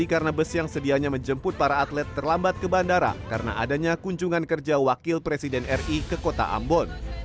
karena adanya kunjungan kerja wakil presiden ri ke kota ambon